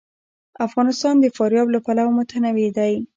افغانستان د فاریاب له پلوه متنوع دی.